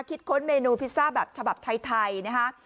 คิดค้นเมนูพิซซ่าแบบฉบับไทยนะคะ